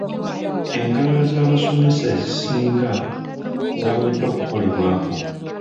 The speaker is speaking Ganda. Enkalala z'abasomesa ezisinga zaawedde okukolebwako.